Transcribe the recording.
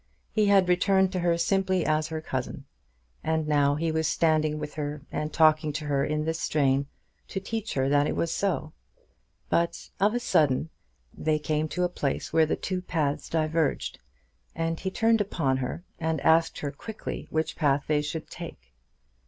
He had returned to her simply as her cousin, and now he was walking with her and talking to her in this strain, to teach her that it was so. But of a sudden they came to a place where two paths diverged, and he turned upon her and asked her quickly which path they should take.